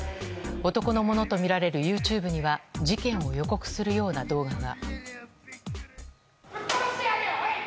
男のものとみられるＹｏｕＴｕｂｅには事件を予告するような動画が。